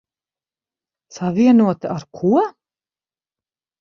Savienota ar ko?